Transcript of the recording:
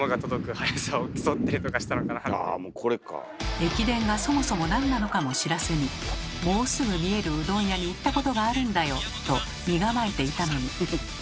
駅伝がそもそもなんなのかも知らずに「もうすぐ見えるうどん屋に行ったことがあるんだよ！」と身構えていたのに。